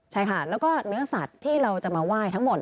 ใช่ค่ะแล้วก็เนื้อสัตว์ที่เราจะมาไหว้ทั้งหมด